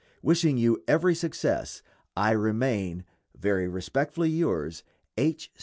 Wishing you every success, I remain, Very respectfully yours, H.